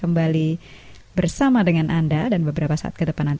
mari berjalan ke sion